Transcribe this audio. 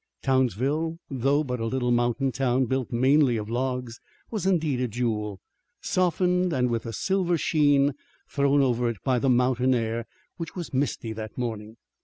Townsville, though but a little mountain town built mainly of logs, was indeed a jewel, softened and with a silver sheen thrown over it by the mountain air which was misty that morning.